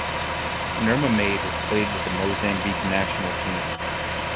Nurmamade has played with the Mozambique national team.